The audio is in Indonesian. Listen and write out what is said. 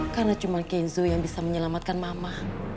karena cuma kenzo yang bisa menyelamatkan mama